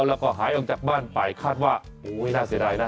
แล้วก็หายออกจากบ้านไปคาดว่าโอ้ยน่าเสียดายนะ